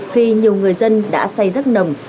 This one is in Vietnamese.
khi nhiều người dân đã say rắc nồng